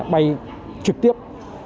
bay trực tiếp